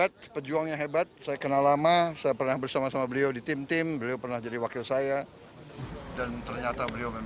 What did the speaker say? dan ternyata beliau memang hebat